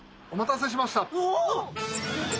お待たせしました。